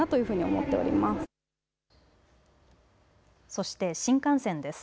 そして新幹線です。